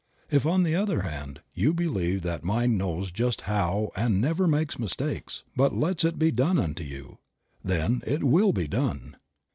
If on the other hand you believe that mind knows just how and 30 Creative Mind. never makes mistakes, but lets it be done unto you, then it will be done.